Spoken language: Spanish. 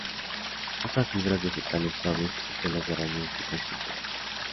Usa fibras vegetales suaves y telas de araña en su construcción.